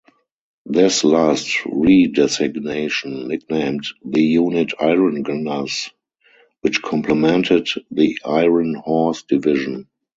This last redesignation nicknamed the unit "Iron Gunners," which complemented the "Iron Horse" Division.